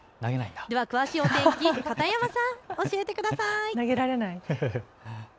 では詳しいお天気、片山さん、教えてください。